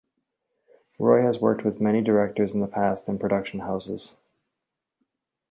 Roy has worked with many directors in the past and production houses.